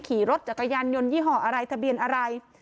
ขี่รถจักรยานยนต์ยี่ห้ออะไรทะเบียนอะไร